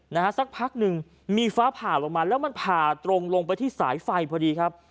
นะฮะสักพักหนึ่งมีฟ้าผ่าลงมาแล้วมันผ่าตรงลงไปที่สายไฟพอดีครับ